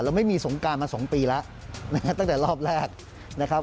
เราไม่มีสงการมา๒ปีแล้วตั้งแต่รอบแรก